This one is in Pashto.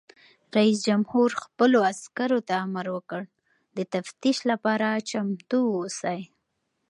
رئیس جمهور خپلو عسکرو ته امر وکړ؛ د تفتیش لپاره چمتو اوسئ!